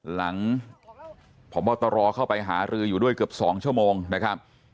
หลังพบตรเข้าไปหารืออยู่ด้วยเกือบ๒ชั่วโมงนะครับ